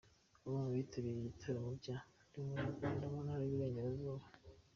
Bamwe mu bitabiriye ibiganiro bya « Ndi Umunyarwanda » mu Ntara y’Iburengerazuba.